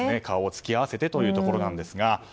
顔を突き合せてというところなんですが。